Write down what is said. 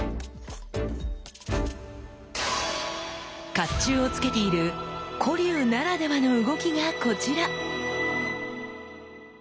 甲冑を着けている古流ならではの動きがこちら。